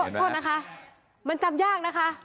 โทษนะคะมันจำยากนะคะ